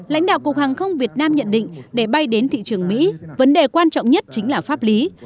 lãnh đạo cục hàng không việt nam nhận định để bay đến thị trường mỹ vấn đề quan trọng nhất chính là pháp lý